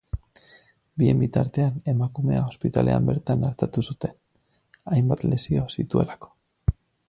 Bien bitartean, emakumea ospitalean bertan artatu zuten, hainbat lesio zituelako.